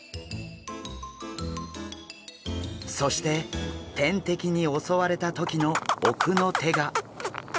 そして天敵に襲われた時の奥の手が。